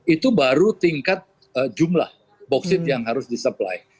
itu baru tingkat jumlah boksit yang harus disupply